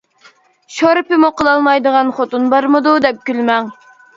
شورپىمۇ قىلالمايدىغان خوتۇن بارمىدۇ، دەپ كۈلمەڭ.